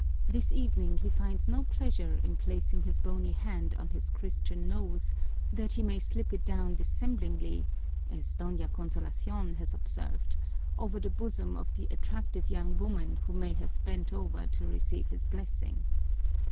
This evening he finds no pleasure in placing his bony hand on his Christian nose that he may slip it down dissemblingly (as Doña Consolacion has observed) over the bosom of the attractive young woman who may have bent over to receive his blessing.